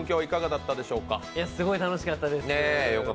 すごい楽しかったです。